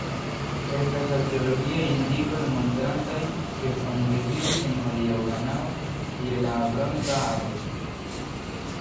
Estas arkeologiaj indikoj montrantaj ke homoj vivis en hodiaŭa Ganao je la Bronza Aĝo.